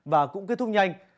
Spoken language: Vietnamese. và cũng kết thúc nhanh